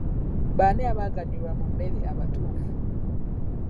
Baani abaganyulwa mu mmere abatuufu?